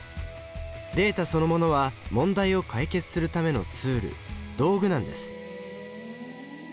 データそのものは問題を解決するためのツール道具なんです。